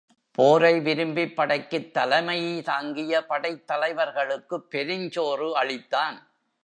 போரை விரும்பிப் படைக்குத் தலைமை தாங்கிய படைத் தலைவர்களுக்குப் பெருஞ்சோறு அளித்தான்.